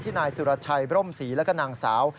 นายสุรชัยบร่มศรีแล้วก็นางสาว